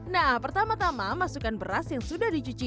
nah pertama tama masukkan beras yang sudah dicuci